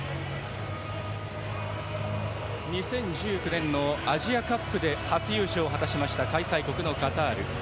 ２０１９年のアジアカップで初優勝を果たした開催国のカタール。